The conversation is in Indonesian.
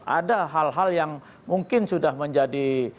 ada hal hal yang mungkin sudah menjadi